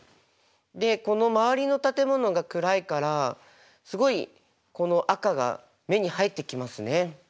でこの周りの建物が暗いからすごいこの赤が目に入ってきますね。